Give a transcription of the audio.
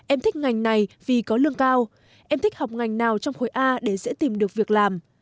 em thích ngành này vì có lương cao em thích học ngành nào trong khối a để dễ tìm được việc làm